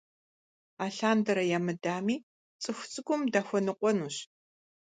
Алъандэрэ ямыдами, цӀыху цӀыкӀум дахуэныкъуэнущ.